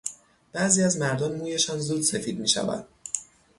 بعضی از مردان مویشان زود سفید میشود.